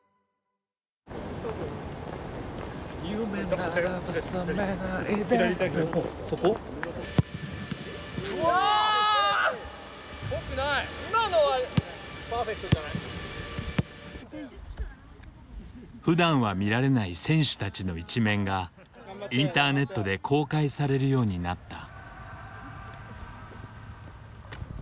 今のはパーフェクトじゃない？ふだんは見られない選手たちの一面がインターネットで公開されるようになった。